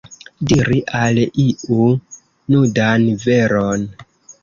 Diri al iu nudan veron.